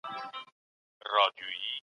د ښكلاګانــــو د لاس ور مــــــــــات كـــړی